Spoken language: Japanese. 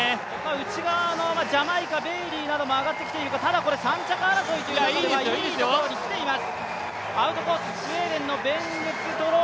内側のジャマイカベイリーなども上がってきているか、ただこれは３着争いという意味ではいいところに来ています。